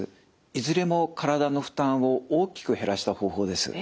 いずれも体の負担を大きく減らした方法です。